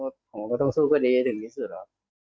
ผมก็ต้องสู้คดีให้ถึงที่สุดครับ